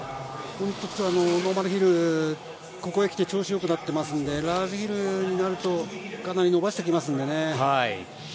ノーマルヒル、ここへ来て調子良くなっていますので、ラージヒルになると、かなり伸ばしてきますのでね。